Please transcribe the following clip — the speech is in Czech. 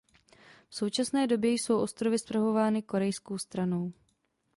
V současné době jsou ostrovy spravovány korejskou stranou.